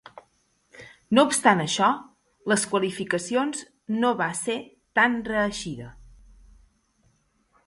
No obstant això, les qualificacions no va ser tan reeixida.